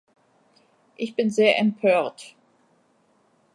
Ich bin sehr empört.